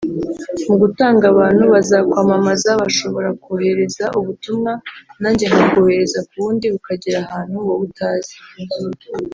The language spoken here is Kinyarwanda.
mu gutanga abantu bazakwamamaza bashobora kwohereza ubutumwa nanjye nkabwohereza ku wundi bukagera ahantu wowe utazi